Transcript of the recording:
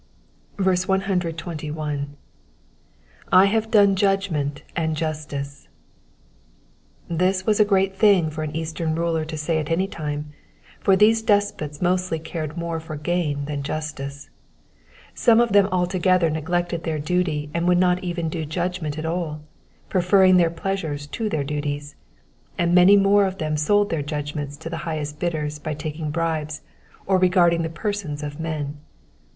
131. / hate done judgment and justice.'*^ This was a great thing for an Eastern ruler to say at any time, for these despots mostly cared more foi gain than justice. Some of them altogether neglected their duty, and would not even do judgment at all, preferring their pleasures to their duties ; and many more of them sold their judgments to the highest bidders by taking bribes, or regarding the persons of men.